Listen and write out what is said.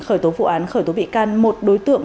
khởi tố vụ án khởi tố bị can một đối tượng